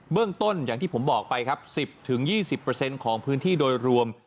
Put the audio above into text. เรื่องต้นอย่างที่ผมบอกไปครับ๑๐๒๐ของพื้นที่โดยรวม